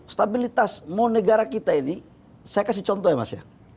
stabilitas negara kita ini saya kasih contoh ya mas